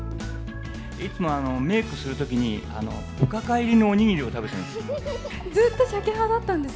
いつもメークするときに、おかか入りのお握りを食べてるんです。